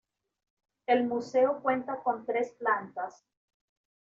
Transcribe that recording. El museo cuenta con tres plantas.